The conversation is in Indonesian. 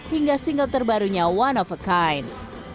hingga single terbarunya one of a kind